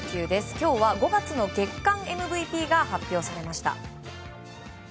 今日は５月の月間ＭＶＰが発表されました。